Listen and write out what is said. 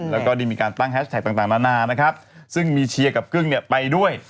แล้วก็ดีมีการตั้งแฮชแท็กต่างหน้าซึ่งมีเชียร์กับกึ้งไปด้วย